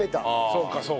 そうかそうか。